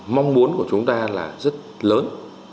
mong muốn của chúng ta là rất lớn